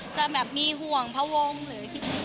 จะแบบมีห่วงเพราะวงหรืออะไรอย่างนี้